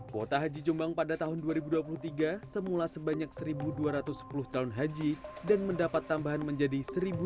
kuota haji jombang pada tahun dua ribu dua puluh tiga semula sebanyak satu dua ratus sepuluh calon haji dan mendapat tambahan menjadi satu dua ratus